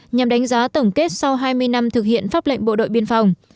nhằm đánh giá tổng kết sau hai mươi năm thực hiện pháp lệnh bộ đội biên phòng